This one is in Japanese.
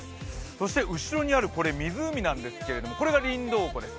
そして後ろにある湖なんですけれどもこれがりんどう湖です。